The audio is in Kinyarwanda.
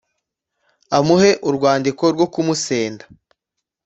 amuhe urwandiko rwo kumusenda.’